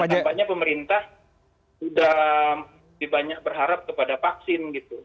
karena tampaknya pemerintah sudah berharap kepada vaksin gitu